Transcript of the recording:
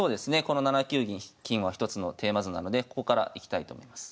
この７九金は一つのテーマ図なのでここからいきたいと思います。